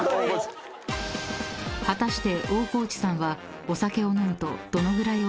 ［果たして］